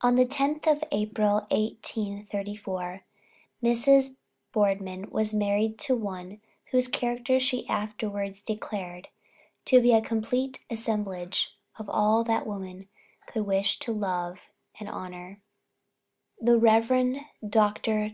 On the tenth of April, 1834, Mrs. Boardman was married to one whose character she afterwards declared to be "a complete assemblage of all that woman could wish to love and honor," the Rev. Dr.